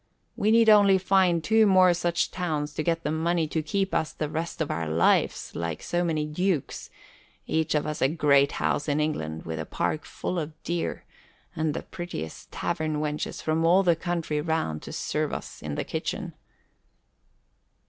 We need only find two more such towns to get the money to keep us the rest of our lives like so many dukes, each of us in a great house in England, with a park full of deer, and the prettiest tavern wenches from all the country round to serve us in the kitchen."